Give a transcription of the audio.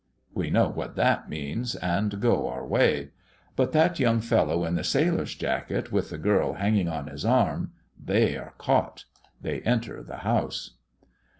We know what that means, and go our way. But that young fellow in the sailor's jacket, with the girl hanging on his arm; they are caught! They enter the house.